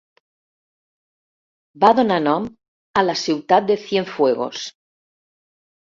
Va donar nom a la ciutat de Cienfuegos.